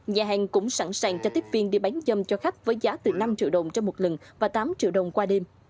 nhà hàng cũng sẵn sàng cho tiếp viên đi bán dâm cho khách với giá từ năm triệu đồng cho một lần và tám triệu đồng qua đêm